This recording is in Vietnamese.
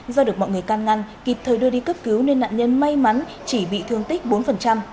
do được mọi người can ngăn kịp thời đưa đi cấp cứu nên nạn nhân may mắn chỉ bị thương tích bốn